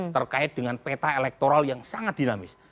terkait dengan peta elektoral yang sangat dinamis